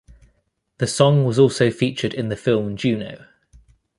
The song was also featured in the film "Juno".